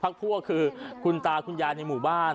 พวกคือคุณตาคุณยายในหมู่บ้าน